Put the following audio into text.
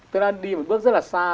tôi đang đi một bước rất là xa